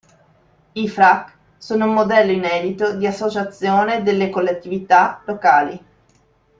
I Frac sono un modello inedito di associazione delle collettività locali.